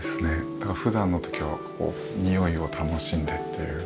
だから普段の時はにおいを楽しんでというか。